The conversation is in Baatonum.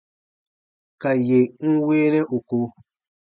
Ka yè n weenɛ ù ko.